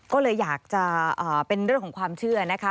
ก็เลยอยากจะเป็นเรื่องของความเชื่อนะคะ